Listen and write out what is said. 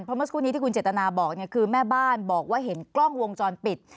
เพราะเมื่อสักครู่นี้ที่คุณเจตนาบอกเนี่ยคือแม่บ้านบอกว่าเห็นกล้องวงจรปิด